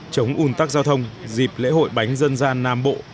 chống un tắc giao thông dịp lễ hội bánh dân gian nam bộ